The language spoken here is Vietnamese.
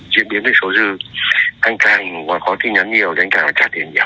diễn biến với số dư anh chàng có tin nhắn nhiều thì anh chàng phải trả tiền nhiều